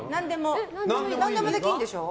何でもできるんでしょう？